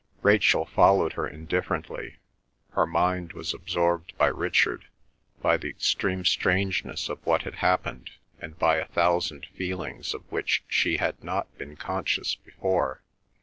Rachel followed her indifferently. Her mind was absorbed by Richard; by the extreme strangeness of what had happened, and by a thousand feelings of which she had not been conscious before.